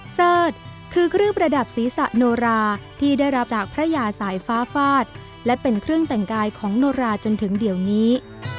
เสิร์ชคือเครื่องประดับศีรษะโนราที่ได้รับจากพระยาสายฟ้าฟาดและเป็นเครื่องแต่งกายของโนราจนถึงเดี๋ยวนี้